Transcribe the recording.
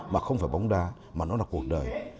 mà không phải bóng đá mà nó là cuộc đời